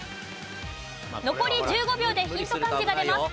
残り１５秒でヒント漢字が出ます。